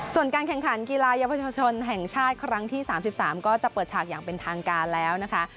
ส่วนการแข่งขันกีฬาเยาวชนแห่งชาติครั้งที่๓๓ก็จะเปิดฉากอย่างเป็นทางการแล้วนะคะ